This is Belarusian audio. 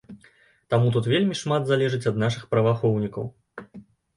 Таму тут вельмі шмат залежыць ад нашых праваахоўнікаў.